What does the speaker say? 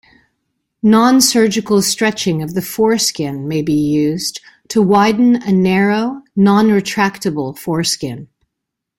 Non-surgical stretching of the foreskin may be used to widen a narrow, non-retractable foreskin.